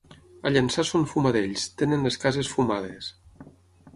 A Llançà són fumadells, tenen les cases fumades.